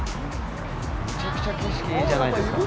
めちゃくちゃ景色いいじゃないですか。